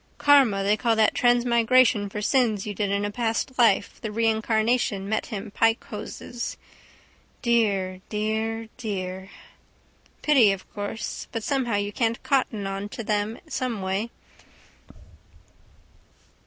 Karma they call that transmigration for sins you did in a past life the reincarnation met him pike hoses. Dear, dear, dear. Pity, of course: but somehow you can't cotton on to them someway.